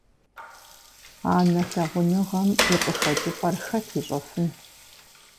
Анэ лъагъуныгъэм и къыхэкӀыпӀэр хэт ищӀэфын.